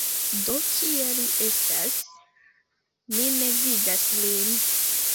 Do kie li estas? Mi ne vidas lin?